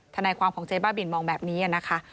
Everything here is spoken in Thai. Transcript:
ทนายความของเจ๊บ้าบินมองแบบนี้นะคะ